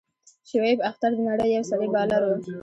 شعیب اختر د نړۍ یو سريع بالر وو.